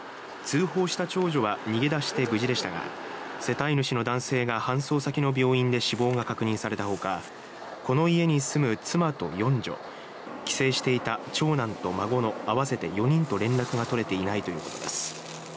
通報した長女は逃げ出して無事でしたが世帯主の男性が搬送先の病院で死亡が確認されたほかこの家に住む妻と四女帰省していた長男と孫の合わせて４人と連絡が取れていないということです。